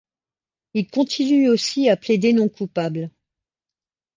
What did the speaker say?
Il continue aussi à plaider non coupable.